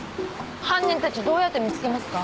犯人たちどうやって見つけますか？